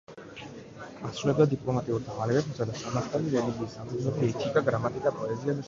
ასრულებდა დიპლომატიურ დავალებებს, იცოდა სამართალი, რელიგიის საფუძვლები, ეთიკა, გრამატიკა, პოეზია და სხვა.